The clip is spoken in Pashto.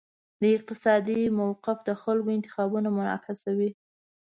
اقتصادي موقف د خلکو انتخابونه منعکسوي.